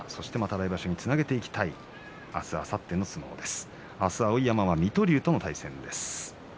来場所につなげていきたい明日あさっての相撲です。